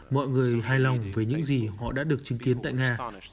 mọi người hài lòng với những gì họ đã được chứng kiến tại nga